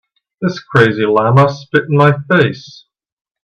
This crazy llama spit in my face.